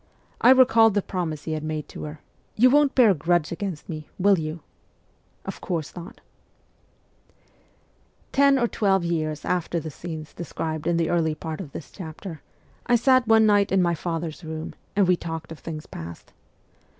I recalled the promise he had made to her you won't bear a grudge against me, will you ?'' Of course not !' Ten or twelve years after the scenes described in the early part of this chapter, I sat one night in my father's room, and we talked of things past.